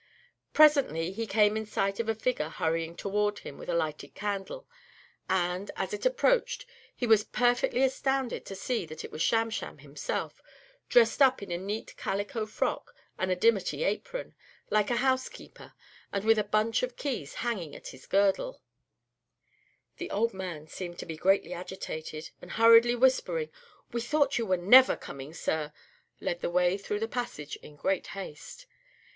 Presently he came in sight of a figure hurrying toward him with a lighted candle, and, as it approached, he was perfectly astounded to see that it was Sham Sham himself, dressed up in a neat calico frock and a dimity apron, like a house keeper, and with a bunch of keys hanging at his girdle. [Illustration: "SHAM SHAM, EXCLAIMING 'DON'T TELL ME A WATCHED POT NEVER BOILS!' BEGAN FIRING AT THE WATCHES."] The old man seemed to be greatly agitated, and hurriedly whispering, "We thought you were never coming, sir!" led the way through the passage in great haste.